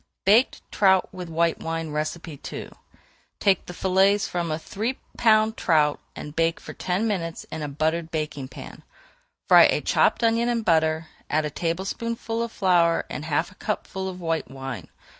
BAKED TROUT WITH WHITE WINE II Take the fillets from a three pound trout and bake for ten minutes in a buttered baking pan. Fry a chopped onion in butter, add a tablespoonful of flour and half a cupful of white wine.